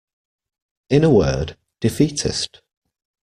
In a word, defeatist.